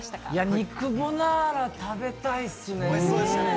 肉ボナーラ、食べたいっすね。